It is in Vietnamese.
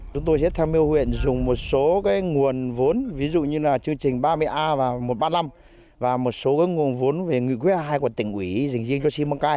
chúng tôi sẽ theo mưu huyện dùng một số cái nguồn vốn ví dụ như là chương trình ba mươi a và một trăm ba mươi năm và một số cái nguồn vốn về nguyên quyết hai của tỉnh ủy dành riêng cho simacai